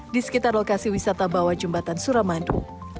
di sekitar lokasi wisata bawah jembatan suramadu